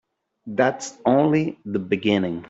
That's only the beginning.